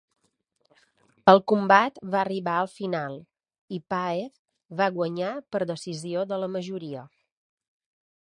El combat va arriba al final, i Paez va guanyar per decisió de la majoria.